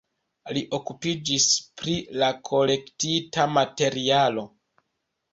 Li okupiĝis pri la kolektita materialo.